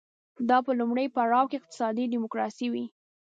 دا به په لومړي پړاو کې اقتصادي ډیموکراسي وي